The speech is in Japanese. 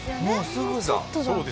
もうすぐだ！